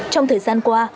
trong thời gian qua